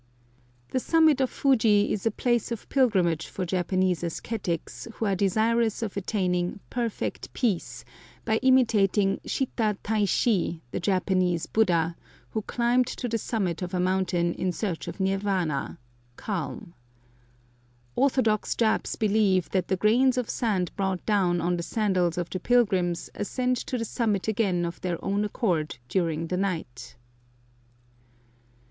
The summit of Fuji is a place of pilgrimage for Japanese ascetics who are desirous of attaining "perfect peace" by imitating Shitta Tai shi, the Japanese Buddha, who climbed to the summit of a mountain in search of nirvana (calm). Orthodox Japs believe that the grains of sand brought down on the sandals of the pilgrims ascend to the summit again of their own accord during the night.